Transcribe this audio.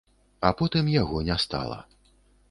А потым яго не стала.